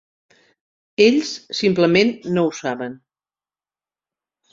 Ells simplement no ho saben.